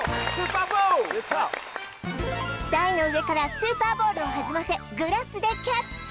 台の上からスーパーボールを弾ませグラスでキャッチ！